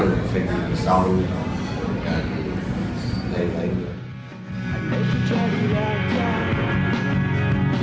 dengan video sound dan lain lain